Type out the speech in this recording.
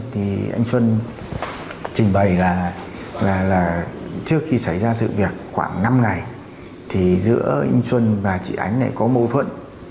thì anh xuân trình bày là trước khi xảy ra sự việc khoảng năm ngày thì giữa anh xuân và chị ánh lại có mâu thuẫn